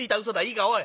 いいかおい。